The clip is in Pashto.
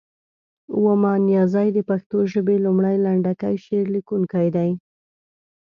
ومان نیازی د پښتو ژبې لومړی، لنډکی شعر لیکونکی دی.